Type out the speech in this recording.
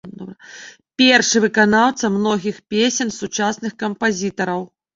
Першы выканаўца многіх песень сучасных кампазітараў.